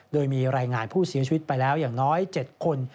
โดยมีรายงานผู้เสียชีวิตไปแล้วอย่างน้อย๗คน